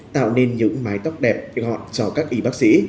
tạo nên những mái tóc đẹp gọn cho các y bác sĩ